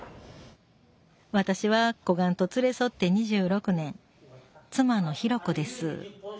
私は小雁と連れ添って２６年妻の寛子です